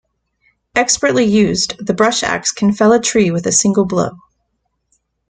Expertly used, the brush-axe can fell a tree with a single blow.